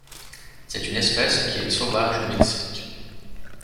C'est une espèce qui est sauvage au Mexique.